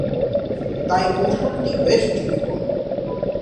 তাই কৌশলটি বেশ ঝুঁকিপূর্ণ।